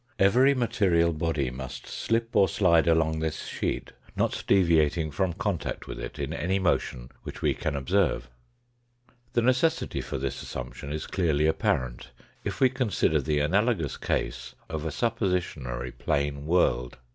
Every material body must slip or slide along this sheet, not deviating from contact with it in any motion which we can observe. The necessity for this assumption is clearly apparent, if we consider the analogous case of a suppositionary plane world.